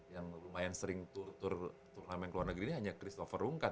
yang lumayan sering turnamen ke luar negeri ini hanya christopher rungkat